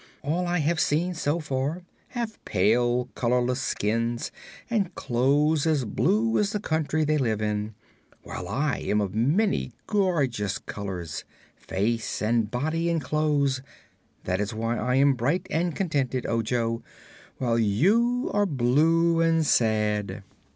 "All I have seen, so far, have pale, colorless skins and clothes as blue as the country they live in, while I am of many gorgeous colors face and body and clothes. That is why I am bright and contented, Ojo, while you are blue and sad."